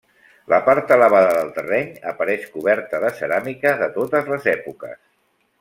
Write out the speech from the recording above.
La part elevada del terreny apareix coberta de ceràmica de totes les èpoques.